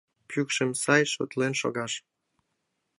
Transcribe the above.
Пӱкшым сай шотлен шогаш.